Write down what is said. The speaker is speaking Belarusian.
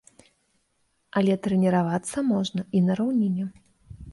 Але трэніравацца можна і на раўніне.